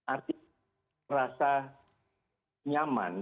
artinya merasa nyaman